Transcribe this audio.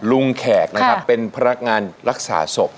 แขกนะครับเป็นพนักงานรักษาศพ